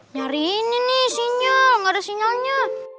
nyari ini nih sinyal gak ada sinyalnya